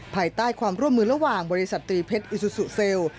ภายใต้ความร่วมมือระหว่างบริษัทตรีเพชรอิซูซูเซลล์